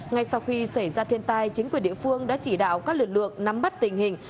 ngay sau khi xảy ra thiên tai chính quyền địa phương đã chỉ đạo các lực lượng nắm bắt tình hình